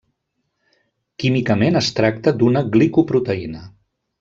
Químicament es tracta d'una glicoproteïna.